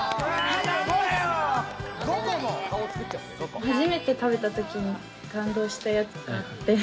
初めて食べたときに感動した料理があって。